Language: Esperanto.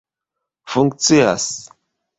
funkcias